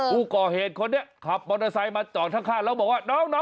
ผู้ก่อเหตุคนนี้ขับมอเตอร์ไซค์มาจอดข้างแล้วบอกว่าน้อง